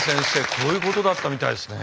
こういうことだったみたいですね。